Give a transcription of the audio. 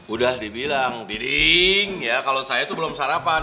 udah dibilang diding ya kalau saya tuh belum sarapan